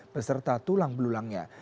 beserta tulang belulangnya